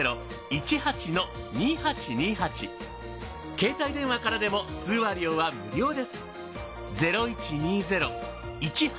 携帯電話からでも通話料は無料です。